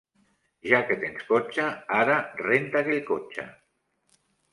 Ja que tens cotxe, ara renta aquell cotxe.